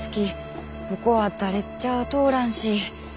ここは誰ちゃあ通らんし。